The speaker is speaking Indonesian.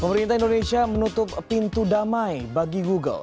pemerintah indonesia menutup pintu damai bagi google